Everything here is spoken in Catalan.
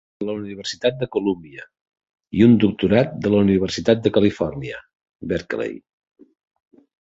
de la Universitat de Columbia, i un doctorat de la Universitat de Califòrnia, Berkeley.